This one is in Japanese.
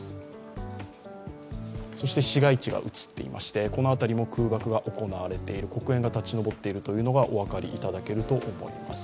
そして市街地が映っていまして、この辺りも空爆が行われている、黒煙が立ち上っているのがお分かりいただけると思います。